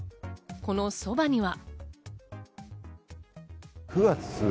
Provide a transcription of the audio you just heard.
このそばには。